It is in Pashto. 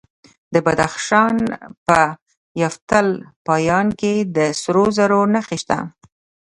د بدخشان په یفتل پایان کې د سرو زرو نښې شته.